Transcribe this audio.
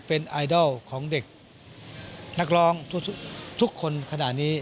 เป็นไอดอลของเด็กนักร้องทุกคนขณะนี้